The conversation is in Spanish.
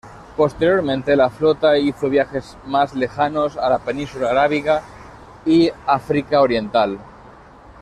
Posteriormente, la flota hizo viajes más lejanos a la Península Arábiga y África Oriental.